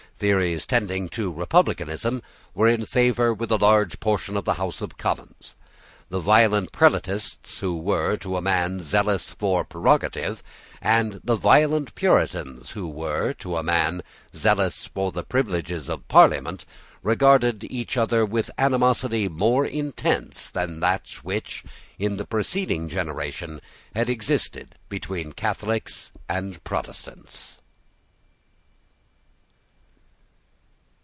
Theories tending to republicanism were in favour with a large portion of the House of Commons. The violent Prelatists who were, to a man, zealous for prerogative, and the violent Puritans who were, to a man, zealous for the privileges of Parliament, regarded each other with animosity more intense than that which, in the preceding generation, had existed between Catholics and Protestants.